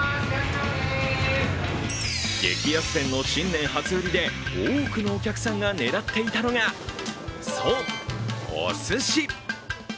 激安店の新年初売りで多くのお客さんが狙っていたのが、そう、おすし。